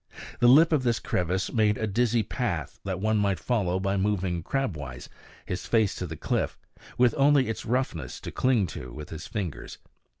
The lip of this crevice made a dizzy path that one might follow by moving crabwise, his face to the cliff, with only its roughnesses to cling to with his fingers.